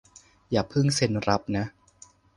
อย่าเพิ่งเซ็นรับนะ